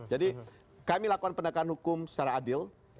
jadi kami lakukan pendekatan hukum secara adil